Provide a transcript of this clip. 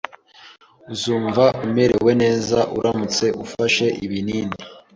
Uzumva umerewe neza uramutse ufashe ibinini.